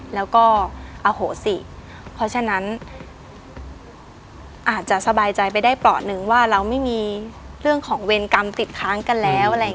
แล้วก็อโหสิเพราะฉะนั้นอาจจะสบายใจไปได้เปราะหนึ่งว่าเราไม่มีเรื่องของเวรกรรมติดค้างกันแล้วอะไรอย่างนี้